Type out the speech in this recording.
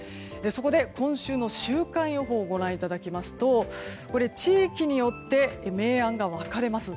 そこで、今週の週間予報をご覧いただきますと地域によって明暗が分かれます。